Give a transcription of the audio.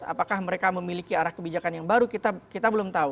apakah mereka memiliki arah kebijakan yang baru kita belum tahu